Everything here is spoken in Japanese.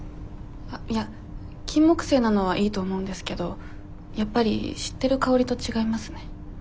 あっいやキンモクセイなのはいいと思うんですけどやっぱり知ってる香りと違いますね。